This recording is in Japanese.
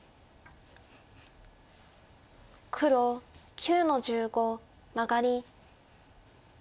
黒９の十五マガリ。